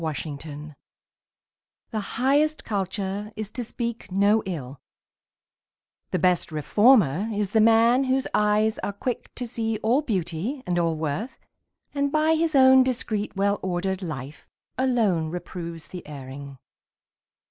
TRUE CULTURE The highest culture is to speak no ill, The best reformer is the man whose eyes Are quick to see all beauty and all worth; And by his own discreet, well ordered life, Alone reproves the erring.